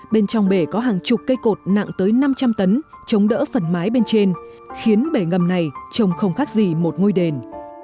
bên trong bể có hàng chục cây cột nặng tới năm trăm linh tấn chống đỡ phần mái bên trên khiến bể ngầm này trông không khác gì một ngôi đền